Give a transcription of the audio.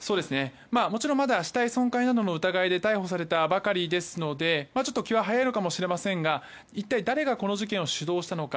もちろん死体損壊などの疑いで逮捕されたばかりですので気は早いのかもしれませんが一体誰がこの事件を主導したのか。